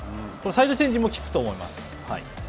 サイドチェンジも効くと思います。